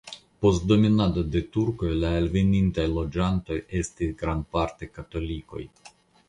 Post dominado de turkoj la alvenintaj loĝantoj estis grandparte katolikoj.